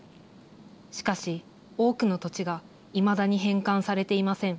しかし、多くの土地がいまだに返還されていません。